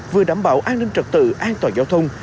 vừa đảm bảo an ninh trật tự an toàn giao thông